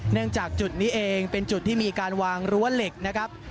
จากจุดนี้เองเป็นจุดที่มีการวางรั้วเหล็กนะครับ